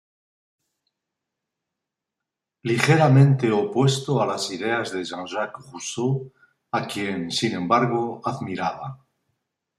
Ligeramente opuesto a las ideas de Jean-Jacques Rousseau a quien, sin embargo, admiraba.